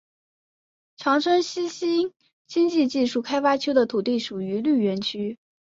长春西新经济技术开发区的土地属于绿园区。